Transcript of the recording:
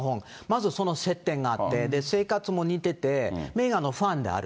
まずそのせってんがあって、生活も似てて、メーガンのファンである。